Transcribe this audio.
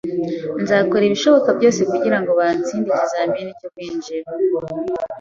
Nzakora ibishoboka byose kugirango batsinde ikizamini cyo kwinjira.